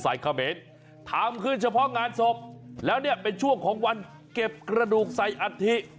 เขมรทำขึ้นเฉพาะงานศพแล้วเนี่ยเป็นช่วงของวันเก็บกระดูกใส่อัฐิ